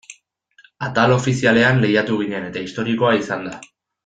Atal ofizialean lehiatu ginen eta historikoa izan da.